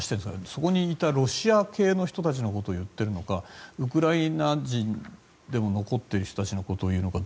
そこにいたロシア系の人たちのことを言っているのかウクライナ人でも残っている人たちのことを言うのか。